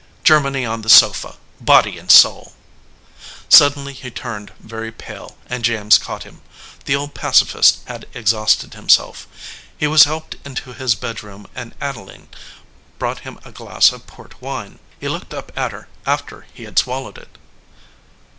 Germany on the sofa, body and soul !" Suddenly he turned very pale and James caught him. The old pacifist had exhausted himself. He was helped into his bedroom and Adeline brought him a glass of port wine. He looked up at her after he had swallowed it.